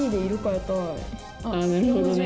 あっなるほどね。